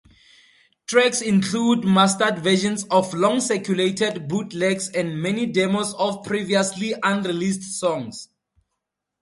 Tracks include mastered versions of long-circulated bootlegs and many demos of previously unreleased songs.